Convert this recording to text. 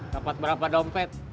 dapat berapa dompet